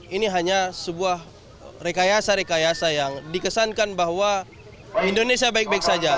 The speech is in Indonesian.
ini hanya sebuah rekayasa rekayasa yang dikesankan bahwa indonesia baik baik saja